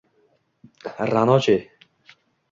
Ra’no-chi?